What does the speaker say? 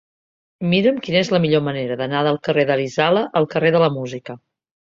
Mira'm quina és la millor manera d'anar del carrer d'Arizala al carrer de la Música.